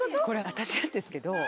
これ私なんですけど。